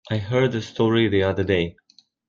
I heard a story the other day.